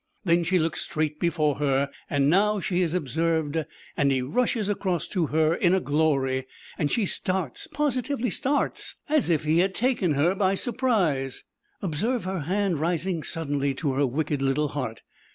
Then she looks straight before her, and now she is observed, and he rushes across to her in a glory, and she starts positively starts as if he had taken her by surprise. Observe her hand rising suddenly to her wicked little heart.